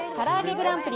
グランプリ